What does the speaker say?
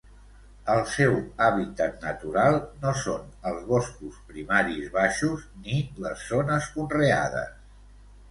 El seu hàbitat natural no són els boscos primaris baixos ni les zones conreades.